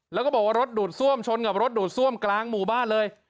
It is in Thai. แล้วก็บอกว่ารถดูดซ่วมชนกับรถดูดซ่วมกลางหมู่บ้านเลย